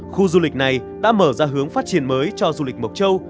khu du lịch này đã mở ra hướng phát triển mới cho du lịch mộc châu